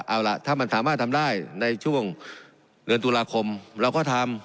เอาล่ะถ้ามันสามารถทำได้ในช่วงเดือนตุลาคมเราก็ทำ